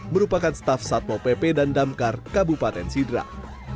merupakan staf satmo pp dan damkar kabupaten sidra